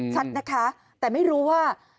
ชัดนะคะแต่ไม่รู้ว่า